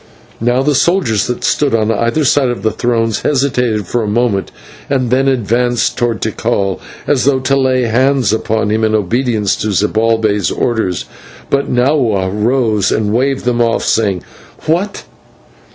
Now the soldiers that stood on either side of the thrones hesitated for a moment, and then advanced towards Tikal as though to lay hands upon him in obedience to Zibalbay's order. But Nahua rose and waved them off, saying: "What!